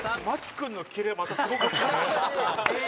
君のキレまたすごかったね。